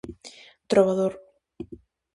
Trobador.